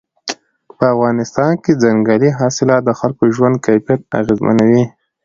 په افغانستان کې ځنګلي حاصلات د خلکو ژوند کیفیت اغېزمنوي.